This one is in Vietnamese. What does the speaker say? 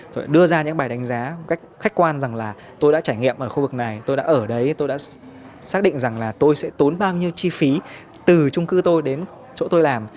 rồi đưa ra những bài đánh giá một cách khách quan rằng là tôi đã trải nghiệm ở khu vực này tôi đã ở đấy tôi đã xác định rằng là tôi sẽ tốn bao nhiêu chi phí từ trung cư tôi đến chỗ tôi làm